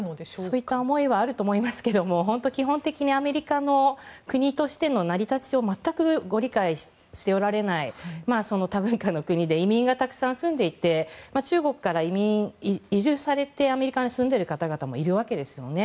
そういった思いもあると思いますが本当に基本的にアメリカの国としての成り立ちを全くご理解しておられない多文化の国で移民がたくさん住んでいて中国から移住されてアメリカに住んでる方々もいるわけですよね。